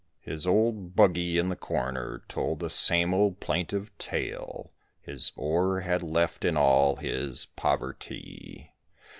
His old "buggy" in the corner told the same old plaintive tale, His ore had left in all his poverty.